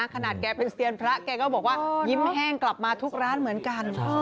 แกเป็นเซียนพระแกก็บอกว่ายิ้มแห้งกลับมาทุกร้านเหมือนกัน